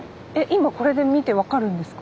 今これで見て分かるんですか？